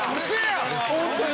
本当に。